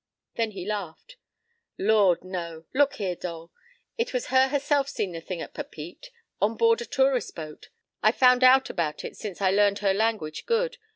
Then he laughed. "Lord, no. Look here, Dole. It was her herself seen the thing at Papeete. On board a tourist boat. I found out about it since I learned her language good.